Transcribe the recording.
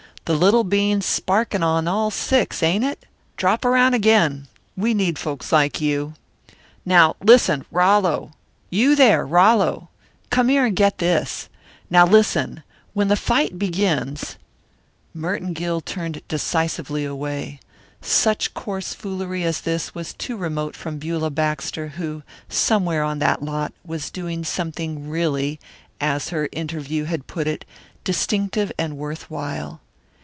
The little bean's sparking on all six, ain't it? Drop around again. We need folks like you. Now, listen, Rollo you there, Rollo, come here and get this. Now, listen when the fight begins " Merton Gill turned decisively away. Such coarse foolery as this was too remote from Beulah Baxter who, somewhere on that lot, was doing something really, as her interview had put it, distinctive and worth while.